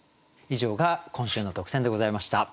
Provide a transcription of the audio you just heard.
以上が今週の特選でございました。